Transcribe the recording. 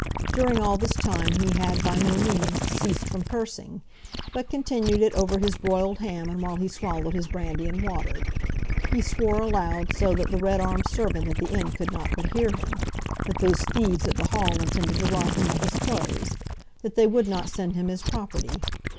During all this time he had, by no means, ceased from cursing, but continued it over his broiled ham and while he swallowed his brandy and water. He swore aloud, so that the red armed servant at the inn could not but hear him, that those thieves at the Hall intended to rob him of his clothes; that they would not send him his property.